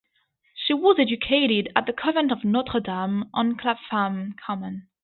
She was educated at the Convent of Notre Dame on Clapham Common.